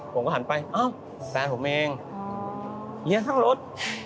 ผมก็หันไปเอ้าแฟนผมเองเลี้ยงทั้งรถ